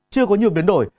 chưa có nhiều biến đổi